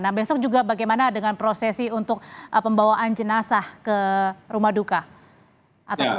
nah besok juga bagaimana dengan prosesi untuk pembawaan jenazah ke rumah duka